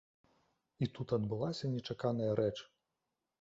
І тут адбылася нечаканая рэч.